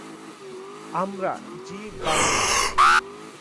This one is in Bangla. " আমরা জি বাংলা।